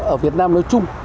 ở việt nam nói chung